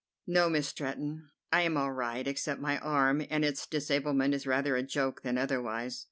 "No, Miss Stretton, I am all right, except my arm, and its disablement is rather a joke than otherwise."